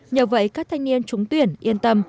nhờ vậy các thanh niên trúng tuyển yên tâm